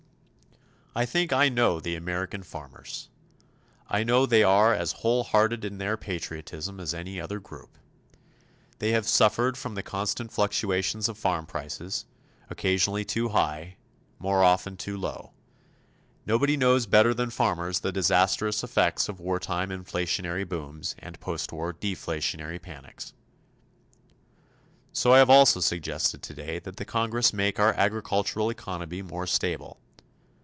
I think I know the American farmers. I know they are as wholehearted in their patriotism as any other group. They have suffered from the constant fluctuations of farm prices occasionally too high, more often too low. Nobody knows better than farmers the disastrous effects of wartime inflationary booms, and postwar deflationary panics. So I have also suggested today that the Congress make our agricultural economy more stable.